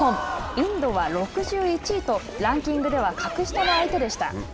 インドは６１位とランキングでは格下の相手でした。